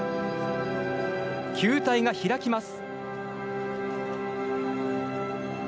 球体が開きます。